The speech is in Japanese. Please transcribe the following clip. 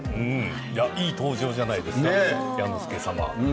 いい登場じゃないですか弥之助様。